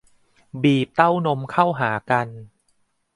บีบเต้านมเข้าหากัน